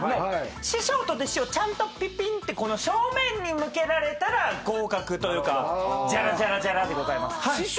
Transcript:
師匠と弟子をちゃんとぴぴんってこの正面に向けられたら合格というかジャラジャラジャラでございます。